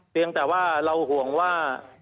เพียงแต่ว่าเราห่วงว่า